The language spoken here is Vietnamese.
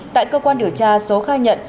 tại cơ quan điều tra số khai nhận